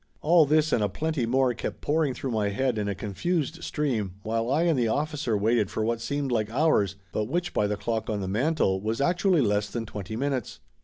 All this and a plenty more kept pouring through my head in a confused stream while I and the officer waited for what seemed like hours, but which, by the clock on the mantel, was actually less than twenty minutes.